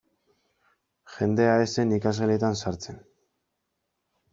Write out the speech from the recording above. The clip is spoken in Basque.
Jendea ez zen ikasgeletan sartzen.